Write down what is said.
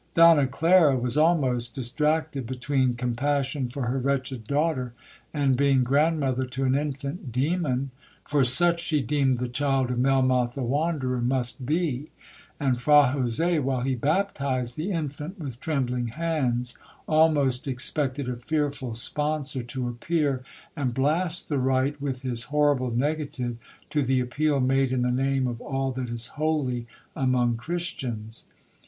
Donna Clara was almost distracted between compassion for her wretched daughter, and being grandmother to an infant demon, for such she deemed the child of 'Melmoth the Wanderer' must be—and Fra Jose, while he baptized the infant with trembling hands, almost expected a fearful sponsor to appear and blast the rite with his horrible negative to the appeal made in the name of all that is holy among Christians.